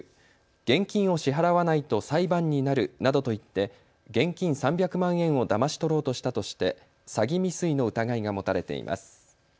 現金を支払わないと裁判になるなどと言って現金３００万円をだまし取ろうとしたとして詐欺未遂の疑いが持たれています。